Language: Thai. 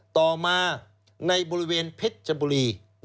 ต่อมาในบริเวณเพชรชบุรี